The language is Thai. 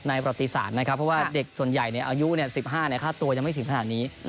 ประติศาสตร์นะครับเพราะว่าเด็กส่วนใหญ่อายุ๑๕ค่าตัวยังไม่ถึงขนาดนี้